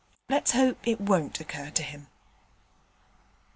Let's hope it won't occur to him.'